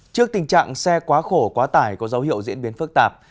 trước tình trạng xe quá khổ quá tải có dấu hiệu diễn biến phức tạp